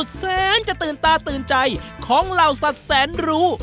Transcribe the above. สุดแสงจะตื่นตาตื่นใจของเราสัดแสนรู้